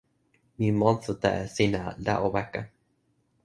mi monsuta e sina, la o weka.